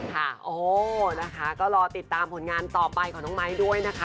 โอ้นะคะก็รอติดตามผลงานต่อไปของน้องไม้ด้วยนะคะ